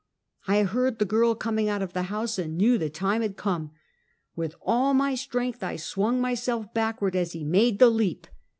I heard the girl coming out of the house and knew the time had come. With all my strength I swung myself back ward as he made the leap.